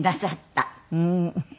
うん。